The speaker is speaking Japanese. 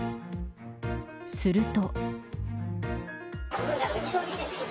すると。